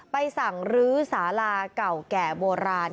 ไปสั่งลื้อสาลาเกี่ยวว่าเก่าโบราณ